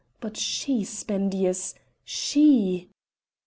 —But she, Spendius, she!